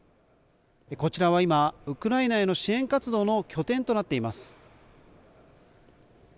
こちらは今、ウクライナへの支援活動の拠点となっています。